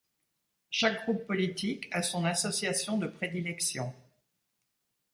Chaque groupe politique à son association de prédilection.